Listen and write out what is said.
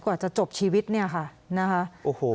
กว่าจะจบชีวิตนี่ค่ะนะครับ